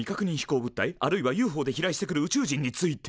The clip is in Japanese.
あるいはＵＦＯで飛来してくる宇宙人について？